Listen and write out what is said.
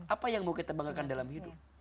apa yang mau kita banggakan dalam hidup